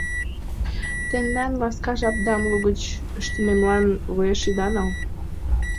Тендан ласка жапдам лугыч ыштымемлан вуеш ида нал.